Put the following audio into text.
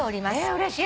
うれしい。